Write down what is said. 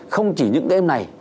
không chỉ những em này